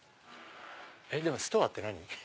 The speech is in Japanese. でもストアーって何？